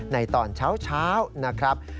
ในตอนเช้านะครับ